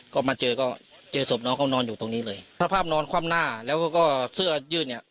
ก็มาเจอก็เจอศพน้องเขานอนอยู่ตรงนี้เลยสภาพนอนคว่ำหน้าแล้วก็เสื้อยืดเนี่ย